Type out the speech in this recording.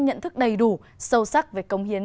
nhận thức đầy đủ sâu sắc về công hiến